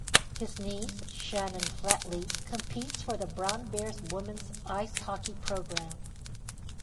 His niece, Shannon Flatley competes for the Brown Bears women's ice hockey program.